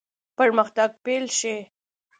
پرمختګ پیل شي.